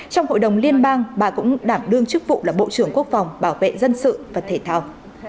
trong hội đồng liên bang bà cũng đảm đương chức vụ là bộ trưởng quốc phòng bảo vệ dân sự và thể thao